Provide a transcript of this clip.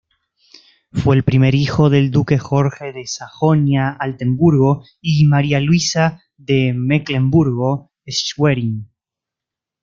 Fue el primer hijo del Duque Jorge de Sajonia-Altenburgo y María Luisa de Mecklemburgo-Schwerin.